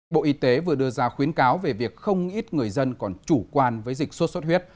bộ y tế vừa đưa ra khuyến cáo về việc không ít người dân còn chủ quan với dịch sốt xuất huyết